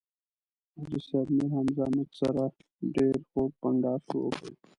حاجي صیب میرحمزه موږ سره ډېر خوږ بنډار شروع کړ.